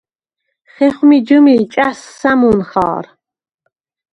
ხეხუ̂მი ჯჷმილ ჭა̈შს სა̈მუნ ხა̄რ.